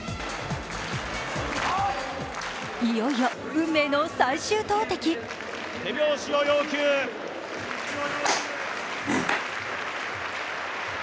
いよいよ運命の最終投てき。